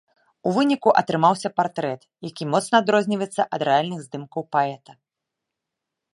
У выніку атрымаўся партрэт, які моцна адрозніваецца ад рэальных здымкаў паэта.